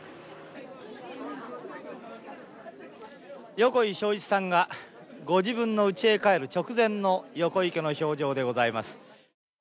・横井庄一さんがご自分のうちへ帰る直前の横井家の表情でございます